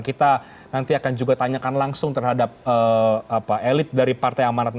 kita nanti akan juga tanyakan langsung terhadap elit dari partai amanat